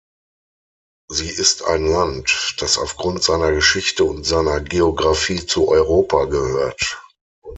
Sie ist ein Land, das aufgrund seiner Geschichte und seiner Geografie zu Europa gehört.